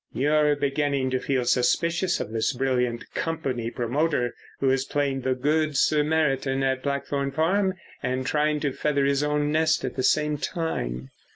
"You're beginning to feel suspicious of this brilliant company promoter who is playing the Good Samaritan at Blackthorn Farm and trying to feather his own nest at the same time."